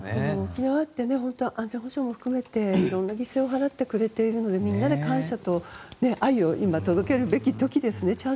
沖縄って安全保障も含めて大きな犠牲を払ってくれているのでみんなで感謝と愛を届けるべき時ですね。